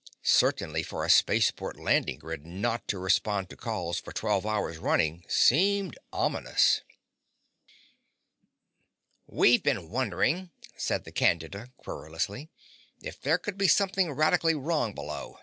Certainly for a spaceport landing grid not to respond to calls for twelve hours running seemed ominous. "We've been wondering," said the Candida querulously, "if there could be something radically wrong below.